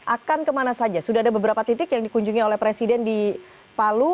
akan kemana saja sudah ada beberapa titik yang dikunjungi oleh presiden di palu